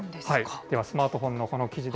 ではスマートフォンのこの記事で